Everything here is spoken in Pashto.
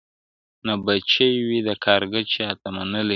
• نه بچی وي د کارګه چاته منلی -